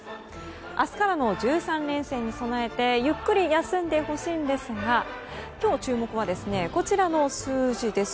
明日からの１３連戦に備えてゆっくり休んでほしいんですが今日、注目はこちらの数字です。